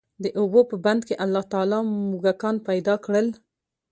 د اوبو په بند کي الله تعالی موږکان پيدا کړل،